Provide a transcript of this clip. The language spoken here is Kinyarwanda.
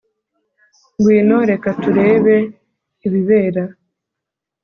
Ngwino reka turebe ibibera